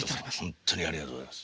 ありがとうございます